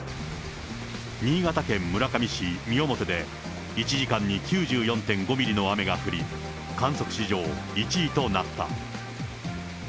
新潟県村上市三面で、１時間に９４．５ミリの雨が降り、観測史上１位となった。